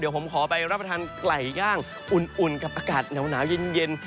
ผมขอไปรับประทานไก่ย่างอุ่นกับอากาศหนาวเย็น